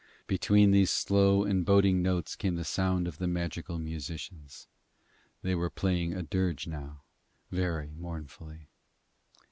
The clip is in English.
Between these slow and boding notes came the sound of the magical musicians. They were playing a dirge now very mournfully.